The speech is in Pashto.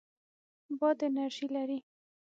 باد انرژي لري.